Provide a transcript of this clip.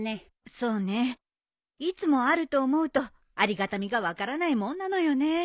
そうねいつもあると思うとありがたみが分からないもんなのよね。